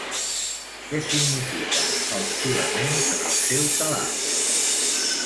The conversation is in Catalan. Què signifiquen els filaments en el seu telar?